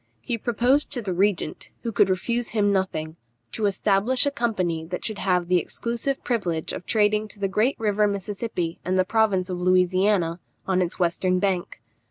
He proposed to the regent (who could refuse him nothing) to establish a company that should have the exclusive privilege of trading to the great river Mississippi and the province of Louisiana, on its western bank.